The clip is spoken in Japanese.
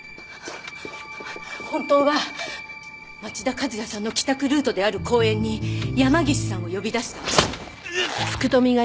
本当は町田和也さんの帰宅ルートである公園に山岸さんを呼び出した。